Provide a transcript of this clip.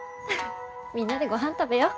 みんなでごはん食べよう。